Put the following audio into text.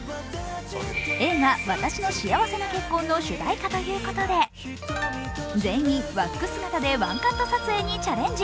映画「わたしの幸せな結婚」の主題歌ということで全員、和服姿でワンカット撮影にチャレンジ。